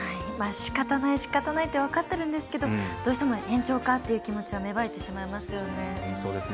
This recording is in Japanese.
しかたないと分かっているんですけどどうしても延長かという気持ちは芽生えてしまいますよね。